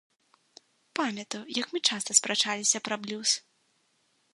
Памятаю, як мы часта спрачаліся пра блюз.